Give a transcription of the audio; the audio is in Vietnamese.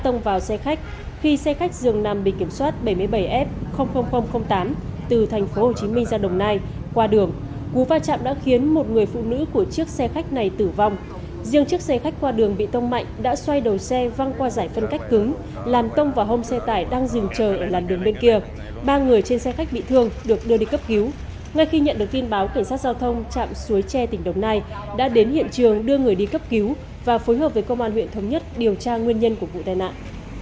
ngay khi nhận được tin báo cảnh sát giao thông trạm suối tre tỉnh đồng nai đã đến hiện trường đưa người đi cấp cứu và phối hợp với công an huyện thống nhất điều tra nguyên nhân của vụ tai nạn